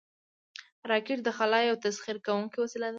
راکټ د خلا یو تسخیر کوونکی وسیله ده